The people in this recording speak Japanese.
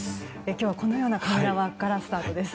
今日はこのようなカメラワークからスタートです。